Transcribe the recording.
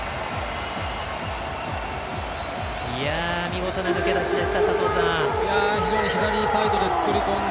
見事な抜け出しでした、佐藤さん。